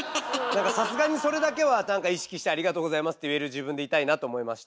さすがにそれだけは意識して「ありがとうございます」って言える自分でいたいなと思いました。